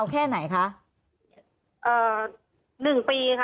มันเป็นอาหารของพระราชา